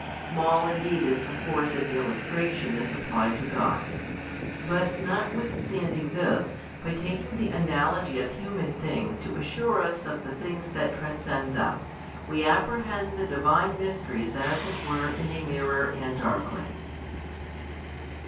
Small indeed is the force of the illustration as applied to God; but notwithstanding this, by taking the analogy of human things to assure us of the things that transcend them, we apprehend the Divine Mysteries as it were in a mirror and darkly.